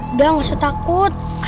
udah gak usah takut ayo kita kejar